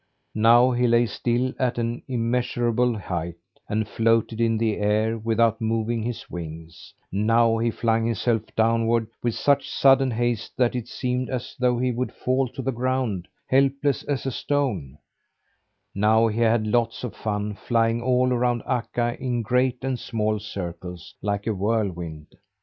Now he lay still in an immeasurable height, and floated in the air without moving his wings, now he flung himself downward with such sudden haste that it seemed as though he would fall to the ground, helpless as a stone; now he had lots of fun flying all around Akka, in great and small circles, like a whirlwind.